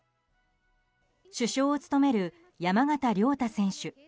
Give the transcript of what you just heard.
主将を務める山縣亮太選手。